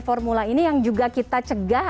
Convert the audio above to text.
formula ini yang juga kita cegah